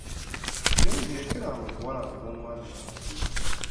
Birungi lekera awo okuwalampa omwami wange.